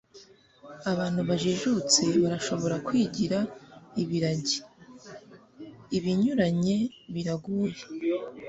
abantu bajijutse barashobora kwigira ibiragi. ibinyuranye biragoye